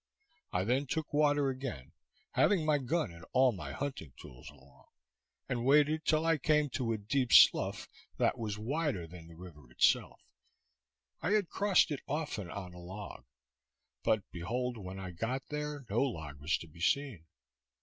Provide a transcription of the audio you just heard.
I then took water again, having my gun and all my hunting tools along, and waded till I came to a deep slough, that was wider than the river itself. I had crossed it often on a log; but, behold, when I got there, no log was to be seen.